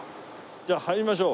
じゃあ入りましょう。